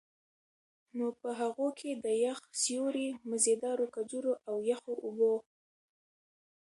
نو په هغو کي د يخ سيُوري، مزيدارو کجورو، او يخو اوبو